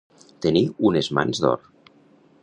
Tenir unes mans d'or.